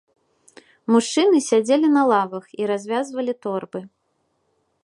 Мужчыны сядзелі на лавах і развязвалі торбы.